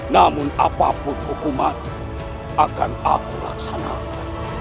namun apapun hukuman akan aku laksanakan